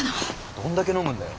どんだけ飲むんだよ。